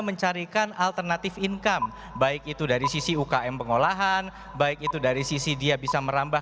mencarikan alternatif income baik itu dari sisi ukm pengolahan baik itu dari sisi dia bisa merambah